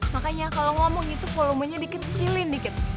makanya kalau ngomong itu volumenya dikecilin dikit